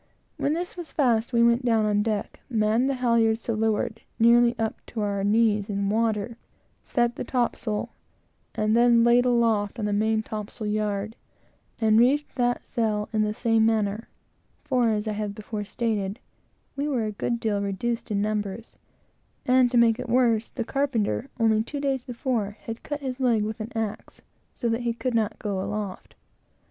When this was fast, we laid down on deck, manned the halyards to leeward, nearly up to our knees in water, set the topsail, and then laid aloft on the main topsail yard, and reefed that sail in the same manner; for, as I have before stated, we were a good deal reduced in numbers, and, to make it worse, the carpenter, only two days before, cut his leg with an axe, so that he could not go aloft.